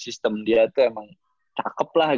sistem dia itu emang cakep lah